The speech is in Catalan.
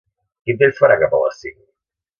Quin temps farà cap a les cinc?